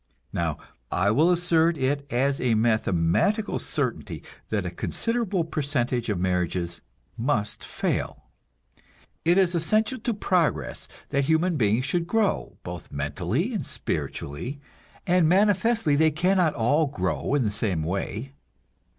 Now, I will assert it as a mathematical certainty that a considerable percentage of marriages must fail. It is essential to progress that human beings should grow, both mentally and spiritually, and manifestly they cannot all grow in the same way.